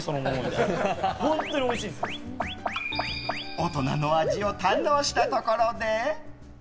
大人の味を堪能したところで。